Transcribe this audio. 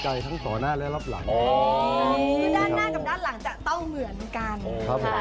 อ๋อก็ด้านหน้ากับด้านหลังจะเต้าเหมือนกัน